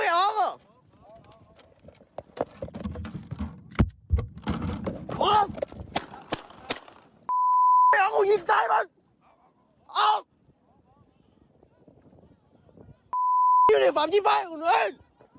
อยู่ในฝันที่ไฟคุณเว้น